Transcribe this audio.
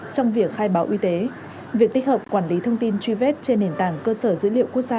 trong việc khai báo y tế việc tích hợp quản lý thông tin truy vết trên nền tảng cơ sở dữ liệu quốc gia